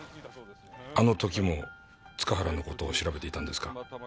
あの時も塚原の事を調べていたんですか？